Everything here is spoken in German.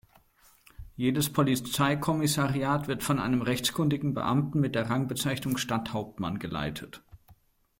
Jedes Polizeikommissariat wird von einem rechtskundigen Beamten mit der Rangbezeichnung Stadthauptmann geleitet.